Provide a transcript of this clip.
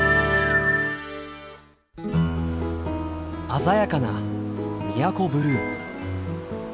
鮮やかな宮古ブルー。